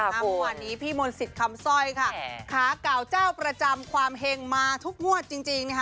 เมื่อวานนี้พี่มนต์สิทธิ์คำสร้อยค่ะขาเก่าเจ้าประจำความเห็งมาทุกงวดจริงนะคะ